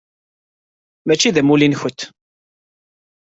Mačči d amulli-nkent.